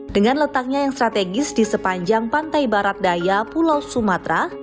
dengan letaknya yang strategis di sepanjang pantai barat daya pulau sumatera